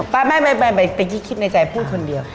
บ๊ายไม่ใส่ตั๊กที่คิดในใจพูดคนเดียว